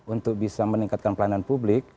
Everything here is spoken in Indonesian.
untuk bisa meningkatkan pelayanan publik